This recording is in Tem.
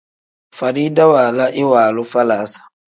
Farida waala iwaalu falaasa.